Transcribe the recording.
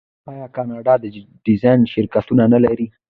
آیا کاناډا د ډیزاین شرکتونه نلري؟